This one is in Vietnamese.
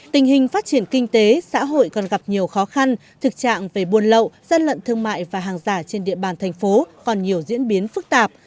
tình hình phát triển kinh tế xã hội còn gặp nhiều khó khăn thực trạng về buôn lậu dân lận thương mại và hàng giả trên địa bàn thành phố còn nhiều diễn biến phức tạp